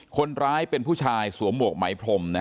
คนร้ายเป็นผู้ชายสวมหมวกไหมพรม